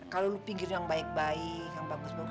kalau lu pikirin yang baik baik yang bagus baik